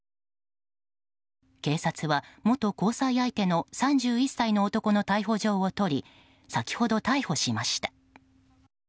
警察は、元交際相手の３１歳の男の逮捕状を取り先ほど、逮捕しました。